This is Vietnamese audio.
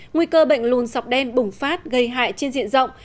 nguy cơ bệnh lùn sọc đen bùng phát gây hại trên diện rộng